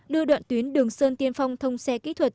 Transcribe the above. đưa đoạn tuyến đường sơn tiên phong thông xe kỹ thuật